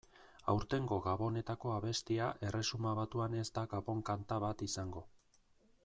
Aurtengo Gabonetako abestia Erresuma Batuan ez da gabon-kanta bat izango.